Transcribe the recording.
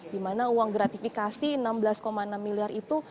di mana uang gratifikasi enam belas enam miliar itu